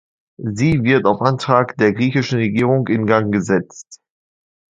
Sie wird auf Antrag der griechischen Regierung in Gang gesetzt.